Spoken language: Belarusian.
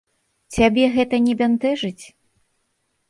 Цябе гэта не бянтэжыць?